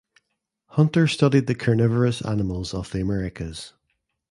Hunter studied the carnivorous animals of the Americas.